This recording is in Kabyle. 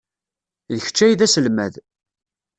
D kečč ay d aselmad.